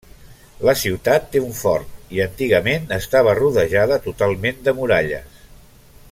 La ciutat té un fort i antigament estava rodejada totalment de muralles.